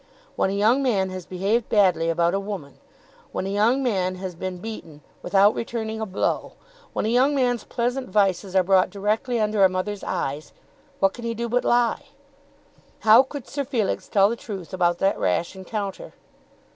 When a young man has behaved badly about a woman, when a young man has been beaten without returning a blow, when a young man's pleasant vices are brought directly under a mother's eyes, what can he do but lie? How could Sir Felix tell the truth about that rash encounter?